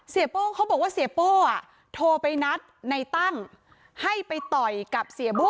เสียโป้เขาบอกเสียโป้โทรไปนัดในตั้งให้ไปต่อยกับเสียบุ๊ก